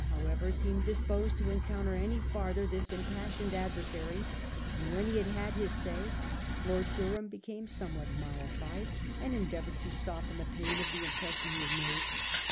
however, seemed disposed to encounter any farther this impassioned adversary, and when he had had hi3 say, Lord Durham became somewhat mollified, and endeavoured to soften the pain of the impression he had made.